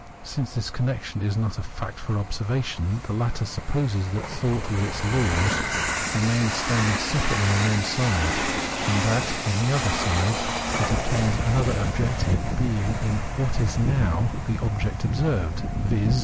Since this connection is not a fact for observation, the latter supposes that thought with its laws remains standing separately on one side, and that, on the other side, it obtains another objective being in what is now the object observed, viz.